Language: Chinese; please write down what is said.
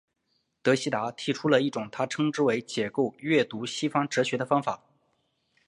德希达提出了一种他称之为解构阅读西方哲学的方法。